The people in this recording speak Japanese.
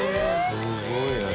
すごいね。